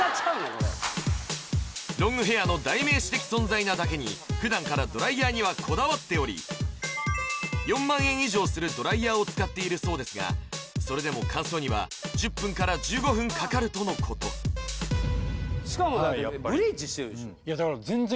これロングヘアの代名詞的存在なだけに普段からドライヤーにはこだわっており４万円以上するドライヤーを使っているそうですがそれでも乾燥には１０分から１５分かかるとのことそうですね